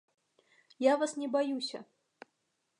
Я вас не баюся.